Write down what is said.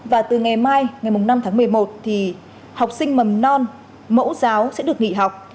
và từ ngày mai ngày năm tháng một mươi một thì học sinh mầm non mẫu giáo sẽ được nghỉ học